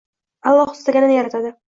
Alloh istaganini yaratadi.